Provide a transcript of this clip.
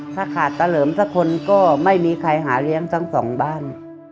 ถ้าขาดตะเลิร์ม๑คนก็ไม่มีใครหาเลี้ยงแสง๒บ้าน